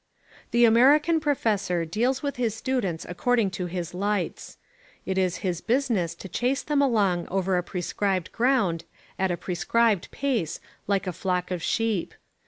The American professor deals with his students according to his lights. It is his business to chase them along over a prescribed ground at a prescribed pace like a flock of sheep.